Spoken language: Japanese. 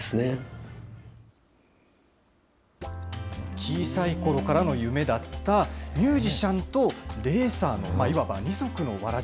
小さいころからの夢だったミュージシャンとレーサーのいわば二足のわらじ。